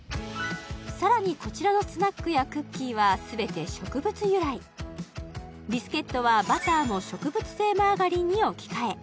さらにこちらのスナックやクッキーはすべて植物由来ビスケットはバターも植物性マーガリンに置き換え